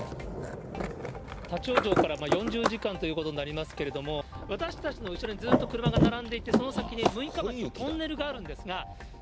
立往生から４０時間ということになりますけれども、私たちの後ろにずっと車が並んでいて、その先に六日町のトンネルがあるんですが。